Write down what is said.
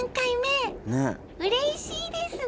うれしいですね！